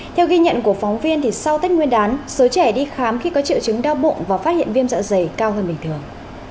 theo ghi nhận của phóng viên sau tết nguyên đán số trẻ đi khám khi có triệu chứng đau bụng và phát hiện viêm dạ dày cao hơn bình thường